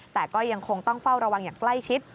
แต่ก็ยังคงต้องเฝ้าระวังอย่างใกล้ชิด